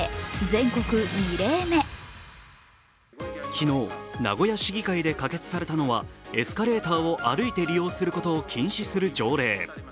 昨日、名古屋市議会で可決されたのはエスカレーターを歩いて利用することを禁止する条例。